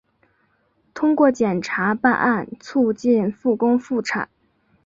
通过检察办案促进复工复产